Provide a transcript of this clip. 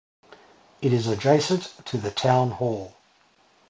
It is adjacent to the town hall.